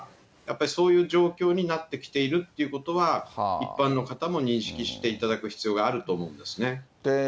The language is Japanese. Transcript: やっぱりそういう状況になってきているということは、一般の方も認識していただく必要があると思うんですね。